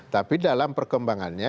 tapi dalam perkembangannya